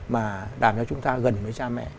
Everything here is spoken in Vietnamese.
mà làm cho chúng ta gần với cha mẹ